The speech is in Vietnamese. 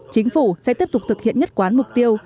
chính phủ sẽ tiếp tục thực hiện nhất quán mục tiêu